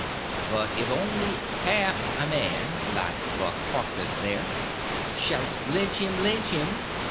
But if only half a man—like Buck Harkness, there—shouts 'Lynch him! lynch him!